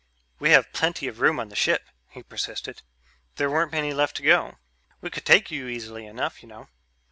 "We have plenty of room on the ship," he persisted. "There weren't many left to go. We could take you easily enough, you know."